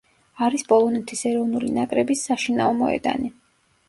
არის პოლონეთის ეროვნული ნაკრების საშინაო მოედანი.